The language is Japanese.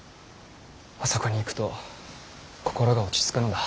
あそこに行くと心が落ち着くのだ。